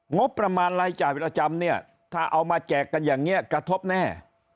งบประมาณรายจ่ายประจำเนี่ยถ้าเอามาแจกกันอย่างนี้กระทบแน่